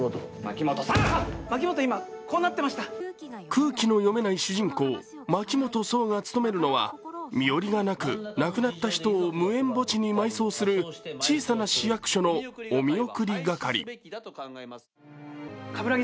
空気の読めない主人公牧本荘が演じるのは身寄りがなく亡くなった人を無縁墓地に埋葬する小さな市役所のおみおくり係。